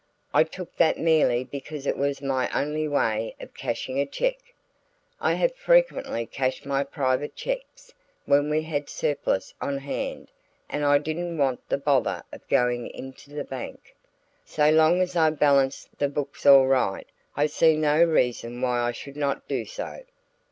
I took that merely because it was my only way of cashing a check. I have frequently cashed my private checks, when we had a surplus on hand and I didn't want the bother of going in to the bank. So long as I balance the books all right, I see no reason why I should not do so."